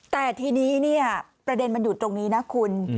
แต่ทีนี้เนี่ยประเด็นมันอยู่ตรงนี้นะคุณ